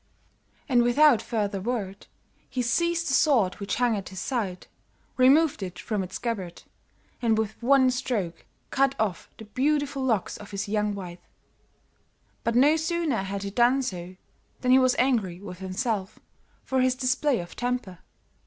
"And without further word, he seized the sword which hung at his side, removed it from its scabbard, and with one stroke cut off the beautiful golden locks of his young wife. But no sooner had he done so than he was angry with himself, for his display of temper.